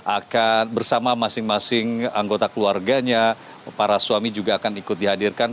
akan bersama masing masing anggota keluarganya para suami juga akan ikut dihadirkan